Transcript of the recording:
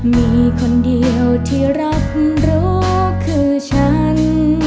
มีคนเดียวที่รับรู้คือฉัน